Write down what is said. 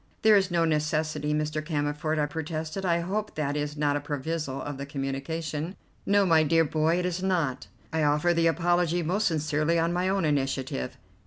"There is no necessity, Mr. Cammerford," I protested, "I hope that is not a proviso in the communication?" "No, my dear boy, it is not. I offer the apology most sincerely on my own initiative.